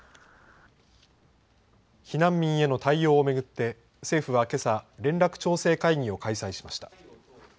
避難民への対応を巡って、政府はけさ、連絡調整会議を開催しました。